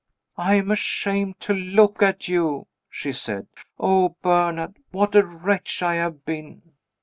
"I am ashamed to look at you," she said. "Oh, Bernard, what a wretch I have been!"